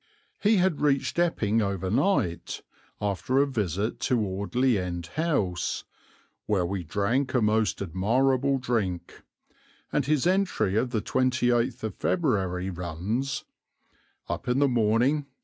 He had reached Epping overnight, after a visit to Audley End House, "where we drank a most admirable drink," and his entry of 28 February runs: "Up in the morning.